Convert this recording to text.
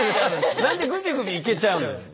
何でグビグビいけちゃうのよ。